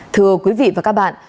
thưa quý vị và các bạn